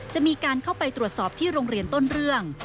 จะมีการเข้าไปตรวจสอบที่โรงเรียนต้นเรื่อง